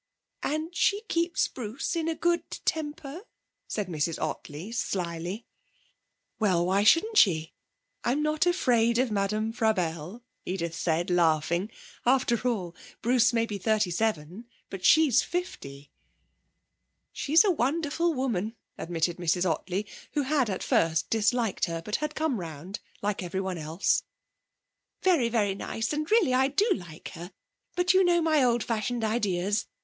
'And she keeps Bruce in a good temper?' said Mrs Ottley slyly. 'Well, why shouldn't she? I'm not afraid of Madame Frabelle,' Edith said, laughing. 'After all, Bruce may be thirty seven, but she's fifty.' 'She's a wonderful woman,' admitted Mrs. Ottley, who had at first disliked her, but had come round, like everyone else. 'Very very nice; and really I do like her. But you know my old fashioned ideas.